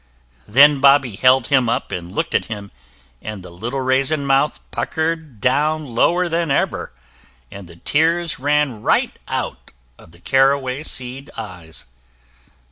Then Bobby held him up and looked at him, and the little raisin mouth puckered down lower than ever, and the tears ran right out of the caraway seed eyes.